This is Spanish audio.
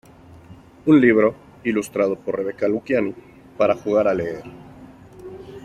Un libro, ilustrado por Rebeca Luciani, para jugar a leer.